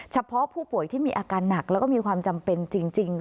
เฉพาะผู้ป่วยที่มีอาการหนักแล้วก็มีความจำเป็นจริง